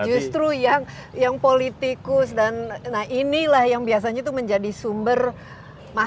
justru yang politikus dan nah inilah yang biasanya itu menjadi sumber masalah